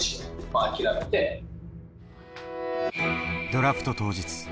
ドラフト当日。